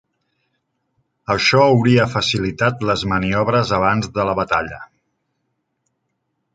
Això hauria facilitat les maniobres abans de la batalla.